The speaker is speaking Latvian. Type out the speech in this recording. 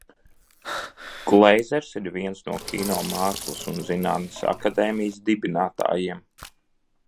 Gleizers ir viens no Kino mākslas un zinātnes akadēmijas dibinātājiem.